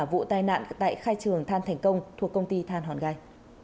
vụ tai nạn tại khai trường than thành công thuộc công ty than hòn gai